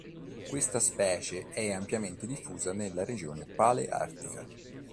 Questa specie è ampiamente diffusa nella regione paleartica.